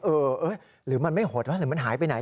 เออหรือมันไม่หดวะหรือมันหายไปไหน